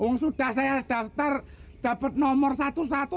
uang sudah saya daftar dapet nomor satu satu